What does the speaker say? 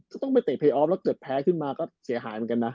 ต้องไปเตะเพยออฟแล้วเกิดแพ้ขึ้นมาก็เสียหายเหมือนกันนะ